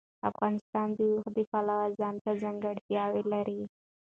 افغانستان د اوښ د پلوه ځانته ځانګړتیا لري.